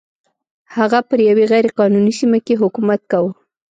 هغه پر یوې غیر قانوني سیمه کې حکومت کاوه.